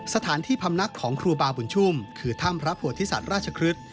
สถานที่พำนักของครูบาบุญชุ่มคือถ้ำพระโพธิสัตว์ราชครึก